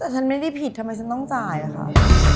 แต่ฉันไม่ได้ผิดทำไมฉันต้องจ่ายค่ะ